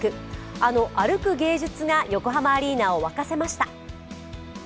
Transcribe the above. あの歩く芸術が横浜アリーナを沸かせました。